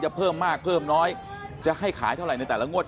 เพิ่มมากเพิ่มน้อยจะให้ขายเท่าไหร่ในแต่ละงวด